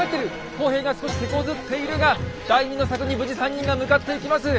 工兵が少してこずっているが第２の柵に無事３人が向かっていきます。